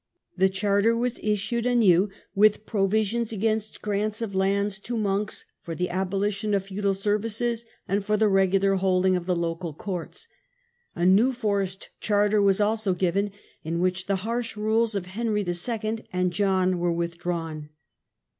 The charter was issued anew, with provisions against grants of lands to monks, for the abolition of feudal services, and for the regular holding of the local courts. A new Forest Charter was also given, in which the harsh rules of Henry II. and John were withdrawn.